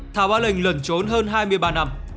thảo an lệnh lẩn trốn hơn hai mươi ba năm